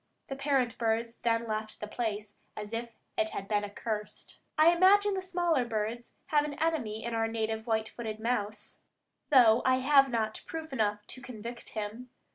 The parent birds then left the place as if it had been accursed. I imagine the smaller birds have an enemy in our native white footed mouse, though I have not proof enough to convict him.